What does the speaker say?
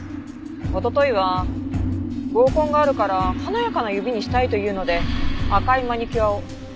おとといは合コンがあるから華やかな指にしたいと言うので赤いマニキュアを。